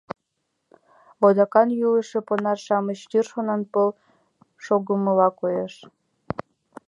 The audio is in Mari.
Вудакан йӱлышӧ понар-шамыч йыр шонанпыл шогымыла коеш.